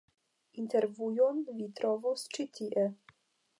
Intervjuon vi trovos ĉi tie.